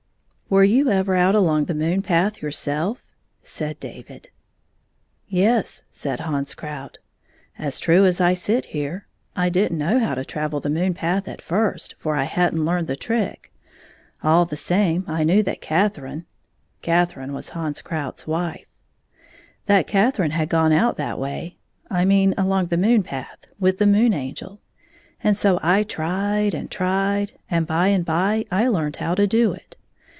"Were you ever out along the moon path your self? " said David. " Yes," said Hans Krout. " As true as I sit here. I did n't know how to travel the moon path at first, for I had n't learned the trick. All the same I knew that Katherine" — Katherine was Hans Krout's wife —" that Katherine had gone out that way — I mean along the moon path — with the Moon Angel. And so I tried and tried, and by and by I learned how to do it.